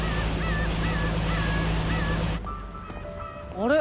あれ？